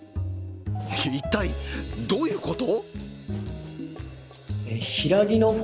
一体どういうこと？